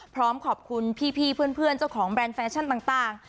พร้อมขอบคุณพี่เพื่อนเจ้าของแบรนด์แฟชั่นต่าง